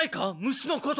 虫のこと。